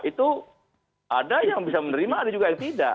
itu ada yang bisa menerima ada juga yang tidak